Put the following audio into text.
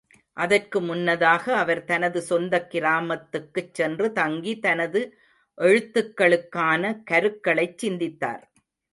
அதற்கு முன்னதாக அவர் தனது சொந்தக் கிராமத்துக்குச் சென்று தங்கி தனது எழுத்துக்களுக்கான கருக்களைச் சிந்தித்தார்.